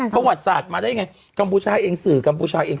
ประวัติศาสตร์มาได้ยังไงกัมพูชาเองสื่อกัมพูชาเอง